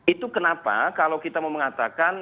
itu kenapa kalau kita mau mengatakan